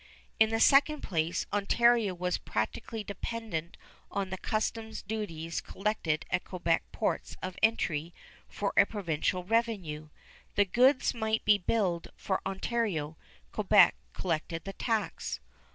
In the second place, Ontario was practically dependent on the customs duties collected at Quebec ports of entry for a provincial revenue. The goods might be billed for Ontario; Quebec collected the tax.